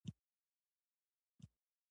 قواوي تقویه کړي.